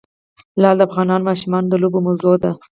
لعل د افغان ماشومانو د لوبو موضوع ده.